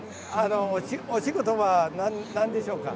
お仕事は何でしょうか？